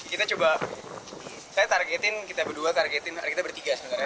kita coba saya targetin kita berdua targetin kita bertiga sebenarnya